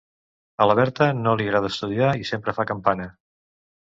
A la Berta no li agrada estudiar i sempre fa campana: